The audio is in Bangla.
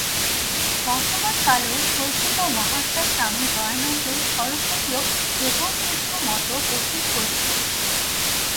বর্তমান কালেও স্বর্গীয় মহাত্মা স্বামী দয়ানন্দ সরস্বতীও এবম্বিধ মত পোষণ করিতেন।